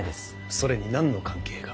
それに何の関係が？